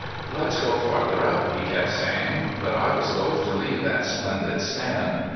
"Let's go farther up," he kept saying. But I was loath to leave that splendid stand.